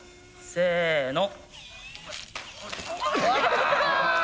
せの。